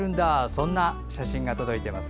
そんな写真が届いています。